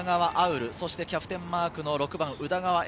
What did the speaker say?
潤、そしてキャプテンマークの６番・宇田川瑛